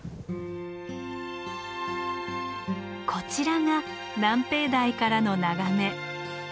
こちらが南平台からの眺め。